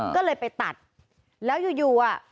ก็เลยไปตัดแล้วอยู่อ่ะ